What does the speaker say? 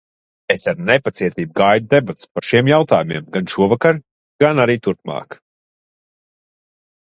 Es ar nepacietību gaidu debates par šiem jautājumiem gan šovakar, gan turpmāk.